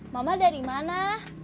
mama dari mana